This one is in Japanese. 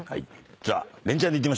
じゃあ。